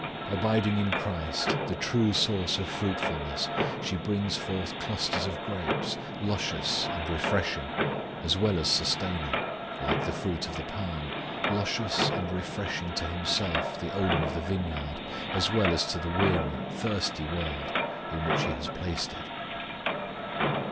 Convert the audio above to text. Abiding in CHRIST, the true source of fruitfulness, she brings forth clusters of grapes, luscious and refreshing, as well as sustaining, like the fruit of the palm luscious and refreshing to Himself, the owner of the vineyard, as well as to the weary, thirsty world in which He has placed it.